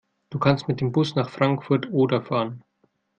Du kannst mit dem Bus nach Frankfurt (Oder) fahren